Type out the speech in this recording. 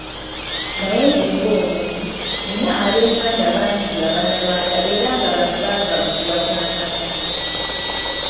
Naye nze ng'omuntu, nnina ab'enganda bangi abanyarwanda era nga bano baava mu kuwasangana.